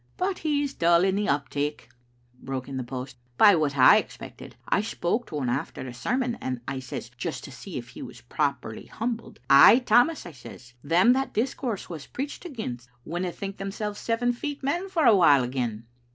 '* But he's dull in the uptake/' broke in the post, hf what I expected. I spoke to him after the sermon, and I says, just to see if he was properly humbled, 'Ay, Tammas,' I says, *them that discourse was preached against, winna think themselves seven feet men for a while again.'